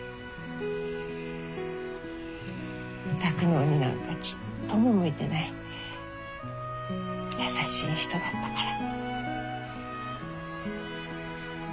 酪農になんかちっとも向いてない優しい人だったから。